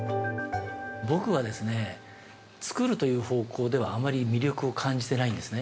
◆僕はですねつくるという方向ではあまり魅力を感じてないんですね。